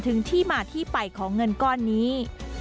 ถึงที่มาที่ไปของเงินก้อนนี้